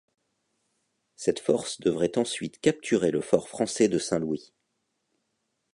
Cette force devrait ensuite capturer le fort français de Saint-Louis.